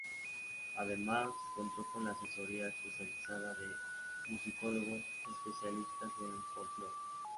Además, contó con la asesoría especializada de musicólogos y especialistas en folclore.